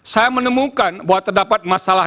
saya menemukan bahwa terdapat masalah